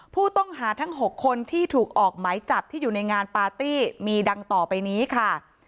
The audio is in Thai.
ผู้ต้องหาทั้ง๖คนที่ถูกออกหมายจับที่อยู่ในงานปาร์ตี้มีดังต่อไปนี้ค่ะ